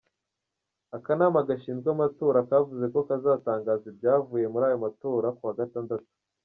Akanama gashinzwe amatora kavuze ko kazatangaza ibyavuye muri ayo matora kuwa gatandatu.